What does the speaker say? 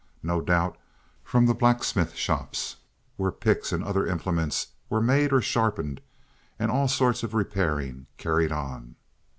No doubt from the blacksmith shops where picks and other implements were made or sharpened and all sorts of repairing carried on.